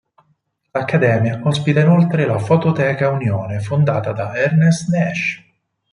L'accademia ospita inoltre la "Fototeca Unione", fondata da Ernest Nash.